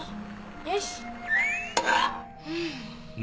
よし。